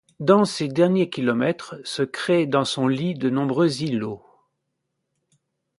Dans ces derniers kilomètres se créent dans son lit de nombreux ilots.